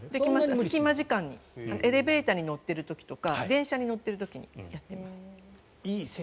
隙間時間にエレベーターに乗っている時とか電車に乗っている時にやっています。